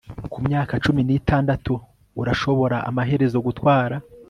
Ku myaka cumi nitandatu urashobora amaherezo gutwara